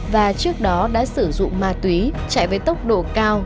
và trước đó đã sử dụng ma túy chạy với tốc độ cao